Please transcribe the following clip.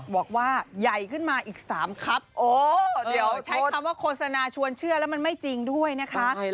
บอกว่าใหญ่ขึ้นมาอีก๓ครับโอ้เดี๋ยวใช้คำว่าโฆษณาชวนเชื่อแล้วมันไม่จริงด้วยนะคะ